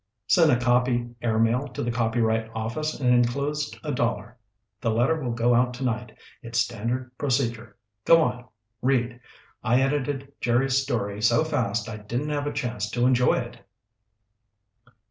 "Sent a copy air mail to the copyright office and enclosed a dollar. The letter will go out tonight. It's standard procedure. Go on, read. I edited Jerry's story so fast I didn't have a chance to enjoy it."